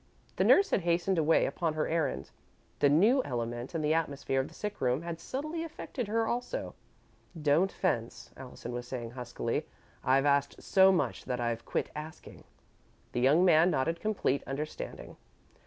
The nurse had hastened away upon her errand. The new element in the atmosphere of the sick room had subtly affected her, also. "Don't fence," Allison was saying, huskily. "I've asked so much that I've quit asking." The young man nodded complete understanding.